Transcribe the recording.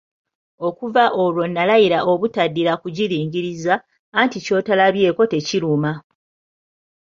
Okuva olwo nalayira obutaddira kugiringiriza, anti ky'otalabyeko tekiruma.